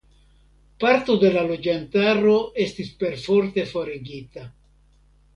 Parto de la loĝantaro estis perforte forigita.